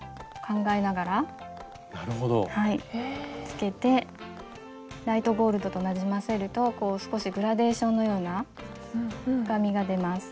つけてライトゴールドとなじませると少しグラデーションのような深みが出ます。